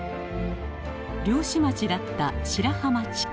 漁師町だった白浜地区。